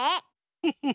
フフフ。